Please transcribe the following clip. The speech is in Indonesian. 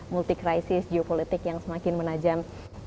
multik krisis geopolitik yang semakin menajam